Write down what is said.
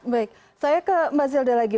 baik saya ke mbak zelda lagi